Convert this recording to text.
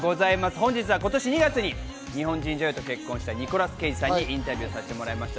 本日は今年２月に日本人女優と結婚したニコラス・ケイジさんにインタビューさせてもらいました。